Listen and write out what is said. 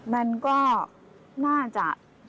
มันก็น่าจะ